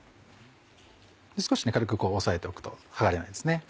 少し軽くこう押さえておくと剥がれないですね。